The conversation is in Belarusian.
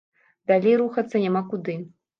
Далей рухацца няма куды.